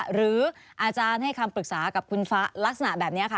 หรืออาจารย์ให้คำปรึกษากับคุณฟ้าลักษณะแบบนี้ค่ะ